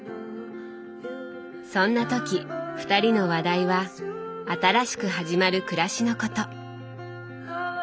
そんな時二人の話題は新しく始まる暮らしのこと。